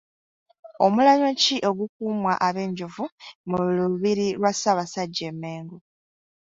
Omulanyo ki ogukuumwa abenjovu mu lubiri lwa Ssaabasajja e Mengo?